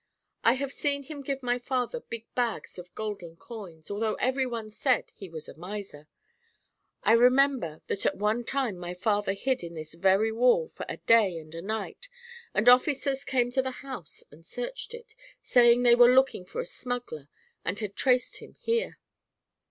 I have seen him give my father big bags of golden coins, although everyone said he was a miser. I remember that at one time my father hid in this very wall for a day and a night, and officers came to the house and searched it, saying they were looking for a smuggler and had traced him here.